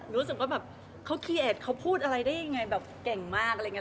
รู้สึกว่าแบบเขาคีย์เอสเขาพูดอะไรได้ยังไงแบบเก่งมากอะไรอย่างนี้